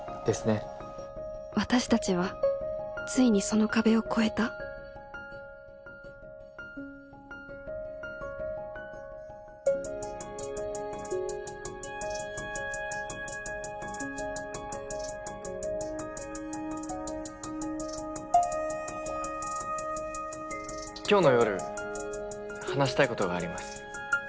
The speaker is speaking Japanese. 私たちはついにその壁を越えた今日の夜話したいことがあります。